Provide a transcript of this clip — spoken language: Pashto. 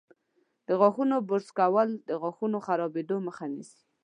د غاښونو برش کول د غاښونو خرابیدو مخه نیسي.